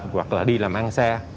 hoặc là đi làm ăn xa